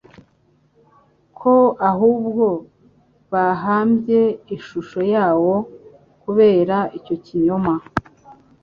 ko ahubwo bahambye ishusho yawo. Kubera icyo kinyoma,